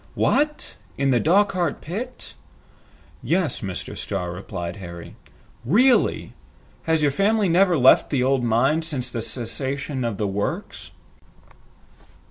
"What! In the Dochart pit?" "Yes, Mr. Starr," replied Harry. "Really! has your family never left the old mine since the cessation of the works?"